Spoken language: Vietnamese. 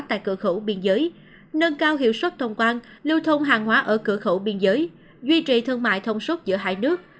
tại cửa khẩu biên giới nâng cao hiệu suất thông quan lưu thông hàng hóa ở cửa khẩu biên giới duy trì thương mại thông suốt giữa hai nước